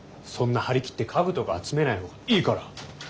そんな張り切って家具とか集めない方がいいから。